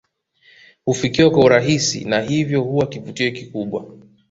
Hufikiwa kwa urahisi na hivyo huwa kivutio kikubwa